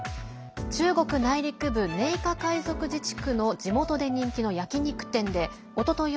中国内陸部、寧夏回族自治区の地元で人気の焼き肉店でおととい